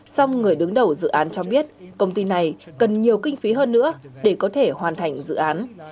song người đứng đầu dự án cho biết công ty này cần nhiều kinh phí hơn nữa để có thể hoàn thành dự án